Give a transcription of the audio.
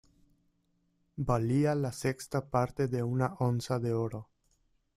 Valía la sexta parte de una onza de oro.